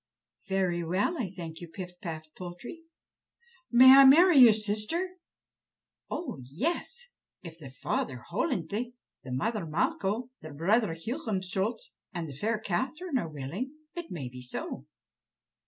"Very well, I thank you, Pif paf Poltrie." "May I marry your sister?" "Oh, yes! if the father Hollenthe, the mother Malcho, the brother Hohenstolz, and the fair Catherine are willing, it may be so."